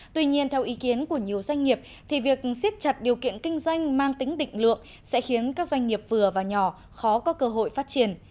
tuy nhiên theo ý kiến của nhiều doanh nghiệp thì việc siết chặt điều kiện kinh doanh mang tính định lượng sẽ khiến các doanh nghiệp vừa và nhỏ khó có cơ hội phát triển